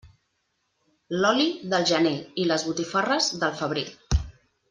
L'oli, del gener, i les botifarres, del febrer.